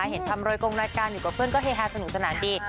เห็นทำโรยกงรายการอยู่กับเพื่อนก็เฮฮาสนุกสนานดี